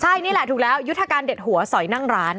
ใช่นี่แหละถูกแล้วยุทธการเด็ดหัวสอยนั่งร้าน